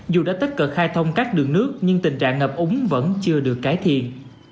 dù đã tất cả khai thông các đường nước nhưng tình trạng ngập úng vẫn chưa được cải thiện